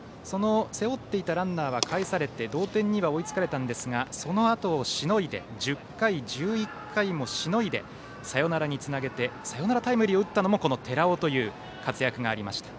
背負っていたランナーがかえされて同点には追いつかれたんですがそのあとをしのいで１０回、１１回もしのいでサヨナラにつなげてサヨナラタイムリーを打ったのもこの寺尾という活躍がありました。